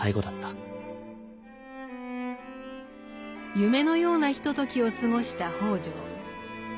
夢のようなひとときを過ごした北條。